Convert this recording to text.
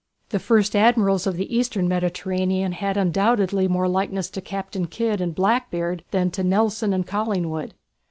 The first Admirals of the Eastern Mediterranean had undoubtedly more likeness to Captain Kidd and "Blackbeard" than to Nelson and Collingwood.